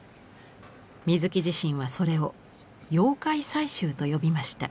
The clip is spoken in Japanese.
水木自身はそれを「妖怪採集」と呼びました。